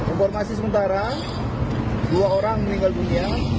informasi sementara dua orang meninggal dunia